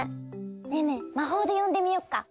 ねえねえまほうでよんでみよっか。